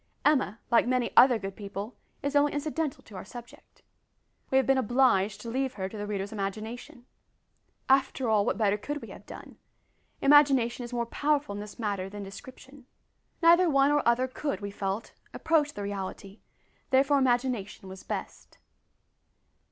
Emma, like many other good people, is only incidental to our subject. We have been obliged to leave her to the reader's imagination. After all, what better could we have done? Imagination is more powerful in this matter than description. Neither one nor other could, we felt, approach the reality, therefore imagination was best.